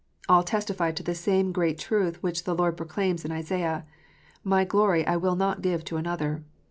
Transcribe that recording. All testify to the same great truth which the Lord proclaims in Isaiah :" My glory will I not give to another."